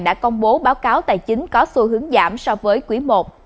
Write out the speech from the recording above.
đã công bố báo cáo tài chính có xu hướng giảm so với quý i